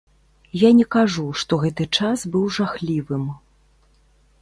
Я не кажу, што гэты час быў жахлівым.